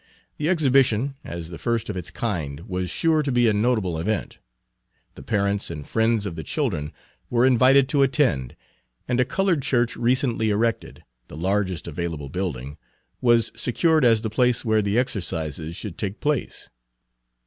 The exhibition, as the first of its kind, was sure to be a notable event. The parents and friends of the children were invited to attend, and a colored church, recently erected, the largest available building, was secured as the place where the exercises should take place.